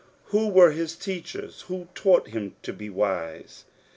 Who were his teachers? Who taught him to be wise